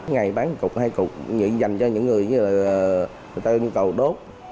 ngày bán một cục hai cục dành cho những người người ta nhu cầu đốt